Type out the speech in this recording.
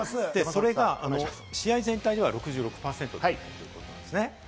それが試合全体では６６％だったんですね。